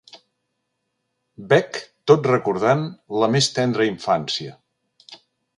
Bec tot recordant la més tendra infància.